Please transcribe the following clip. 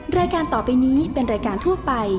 รายการต่อไปนี้เป็นรายการทั่วไป